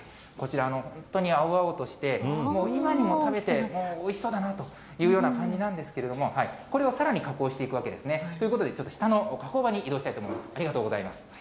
こちら、本当に青々として、今にも食べて、おいしそうだなというような感じなんですけれども、これをさらに加工していくわけですね。ということで、ちょっと下の加工場に移動したいと思います。